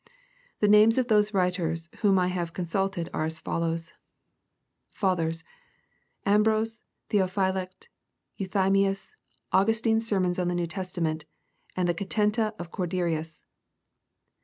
The names of those writers whom I have con sulted are as follows : 1. FatherSy — Ambrose, Theophylact, Euthymius, Au gustine's Sermons on the New Testament, and the Catena of Corderius.